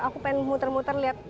aku pengen muter muter lihat